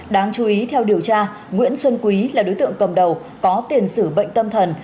đáng chú ý theo điều tra nguyễn xuân quý là đối tượng cầm đầu có tiền sử bệnh tâm thần